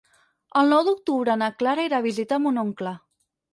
El nou d'octubre na Clara irà a visitar mon oncle.